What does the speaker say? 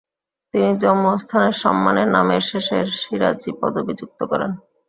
তিনি জন্মস্থানের সম্মানে নামের শেষের 'সিরাজী' পদবী যুক্ত করেন।